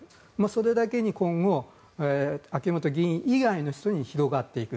それだけに今後、秋本議員以外の人に広がっていく。